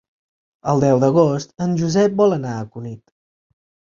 El deu d'agost en Josep vol anar a Cunit.